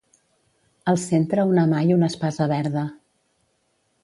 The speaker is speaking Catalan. Al centre una mà i una espasa verda.